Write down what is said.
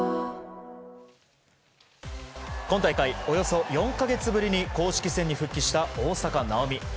およそ４か月ぶりに公式戦に復帰した大坂なおみ。